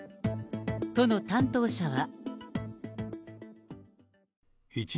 都の担当者は。